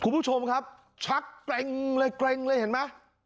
คุณผู้ชมครับชักเกร็งเลยเกร็งเลยเห็นไหม